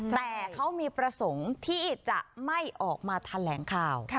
แต่เขามีประสงค์ที่จะไม่ออกมาแถลงข่าว